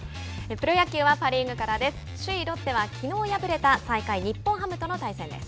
プロ野球はパ・リーグからです。